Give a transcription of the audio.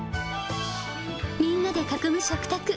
みんなで囲む食卓。